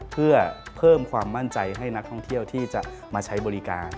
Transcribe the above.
เพื่อเพิ่มความมั่นใจให้นักท่องเที่ยวที่จะมาใช้บริการ